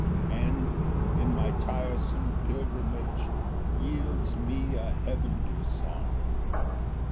And, in my tiresome pilgrimage, Yields me a heavenly song.